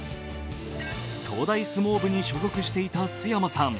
東大相撲部に所属していた須山さん。